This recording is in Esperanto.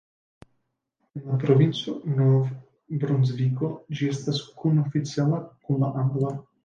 En la provinco Nov-Brunsviko ĝi estas kun-oficiala kun la angla.